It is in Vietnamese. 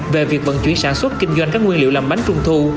về việc vận chuyển sản xuất kinh doanh các nguyên liệu làm bánh trung thu